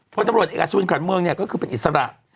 พลตำรวจเอกอสุนขวัญเมืองเนี่ยก็คือเป็นอิสระ